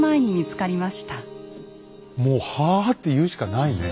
もう「はぁ」って言うしかないね。